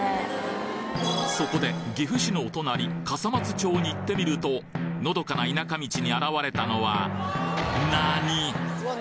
そこで岐阜市のお隣笠松町に行ってみるとのどかな田舎道に現れたのはなに！？